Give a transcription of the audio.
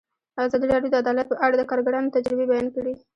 ازادي راډیو د عدالت په اړه د کارګرانو تجربې بیان کړي.